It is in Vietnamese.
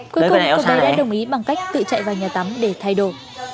cuối cùng con bé đã đồng ý bằng cách tự chạy vào nhà tắm để thay đồ